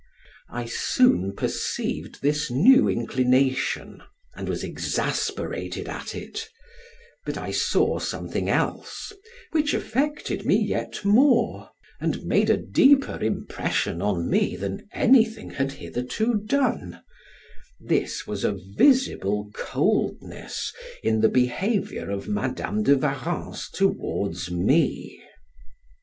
I soon perceived this new inclination, and was exasperated at it; but I saw something else, which affected me yet more, and made a deeper impression on me than anything had hitherto done; this was a visible coldness in the behavior of Madam de Warrens towards me.